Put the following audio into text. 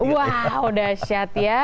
wow udah syat ya